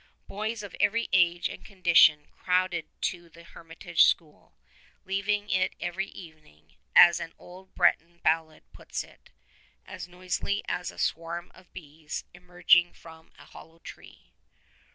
Boys of every age and condition crowded to the hermitage school, leaving it every evening, as an old Breton ballad puts it, "as noisily as a swarm of bees emerging from a hollow tree."